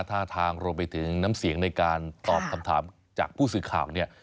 ท่าทางรวมไปถึงน้ำเสียงในการตอบคำถามจากผู้สื่อข่าวเนี่ย